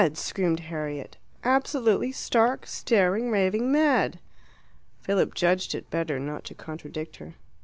screamed Harriet, "absolutely stark, staring, raving mad!" Philip judged it better not to contradict her.